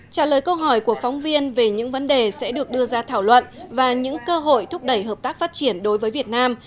trả lời câu hỏi của phóng viên về những vấn đề sẽ được đưa ra thảo luận và những cơ hội thúc đẩy hợp tác phát triển đối với việt nam